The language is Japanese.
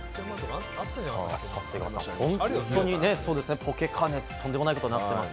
長谷川さん、本当にポケカ熱、とんでもないことになっています。